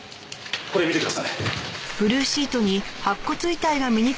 これ見てください。